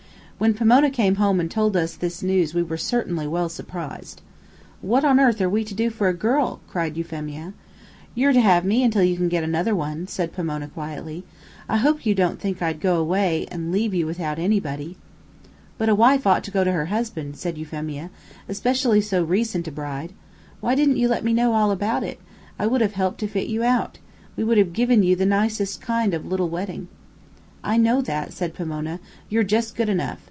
When Pomona came home and told us this news we were certainly well surprised. "What on earth are we to do for a girl?" cried Euphemia. "You're to have me till you can get another one," said Pomona quietly. "I hope you don't think I'd go 'way, and leave you without anybody." "But a wife ought to go to her husband," said Euphemia, "especially so recent a bride. Why didn't you let me know all about it? I would have helped to fit you out. We would have given you the nicest kind of a little wedding." "I know that," said Pomona; "you're jus' good enough.